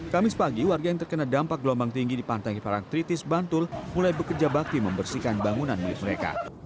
kamis pagi warga yang terkena dampak gelombang tinggi di pantai parang kritis bantul mulai bekerja bakti membersihkan bangunan milik mereka